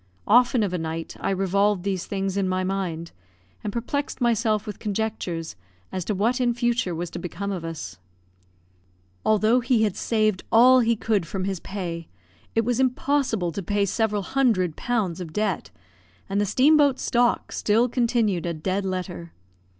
Often of a night I revolved these things in my mind, and perplexed myself with conjectures as to what in future was to become of us. Although he had saved all he could from his pay, it was impossible to pay several hundreds of pounds of debt; and the steam boat stock still continued a dead letter.